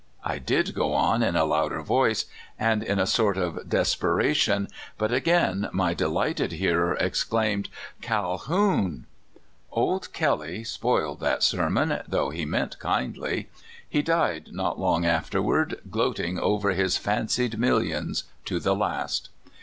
I did go on in a louder voice, and in a sort of des peration ; but again my delighted hearer exclaimed : "Calhoun! "*' Old Kelley" spoiled that sermon, though he meant kindty. He died not long afterward, gloat inir over his fancied millions to the last.